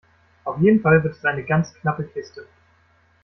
Auf jeden Fall wird es eine ganz knappe Kiste.